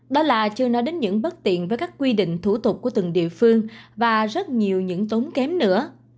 đó là chưa nói đến những bất tiện với các quy định thủ tục của từng địa phương và rất nhiều những tốn kém nữa